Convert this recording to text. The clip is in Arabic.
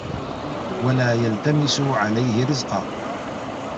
وَلَا يَلْتَمِسُوا عَلَيْهِ رِزْقًا